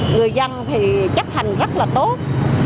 người dân thì chấp hành rất là tốt